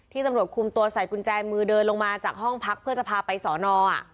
ตำรวจคุมตัวใส่กุญแจมือเดินลงมาจากห้องพักเพื่อจะพาไปสอนอ